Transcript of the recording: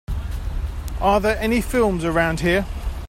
Are there any films around here